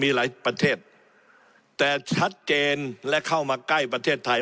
มีหลายประเทศแต่ชัดเจนและเข้ามาใกล้ประเทศไทย